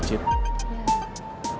meskipun pangeran denial perasaannya sama putri